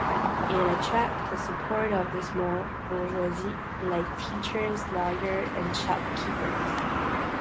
It attracted the support of the small "bourgeoisie", like teachers, lawyers and shopkeepers.